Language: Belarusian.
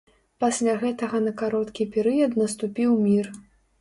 Пасля гэтага на кароткі перыяд наступіў мір.